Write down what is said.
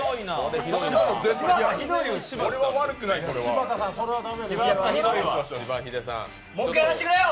柴田さん、それは駄目ですよ。